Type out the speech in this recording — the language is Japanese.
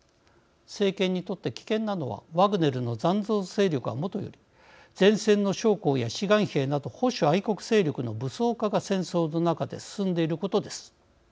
政権にとって危険なのはワグネルの残存勢力はもとより前線の将校や志願兵など保守愛国勢力の武装化が戦争の中で進んでいることです。